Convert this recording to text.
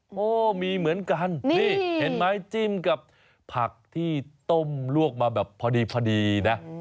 โอ้มีเหมือนกันนี่เห็นไหมจิ้มกับผักที่ต้มลวกมาแบบพอดีนะ